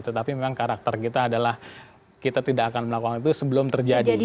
tetapi memang karakter kita adalah kita tidak akan melakukan itu sebelum terjadi